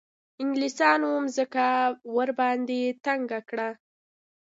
انګلیسیانو مځکه ورباندې تنګه کړه.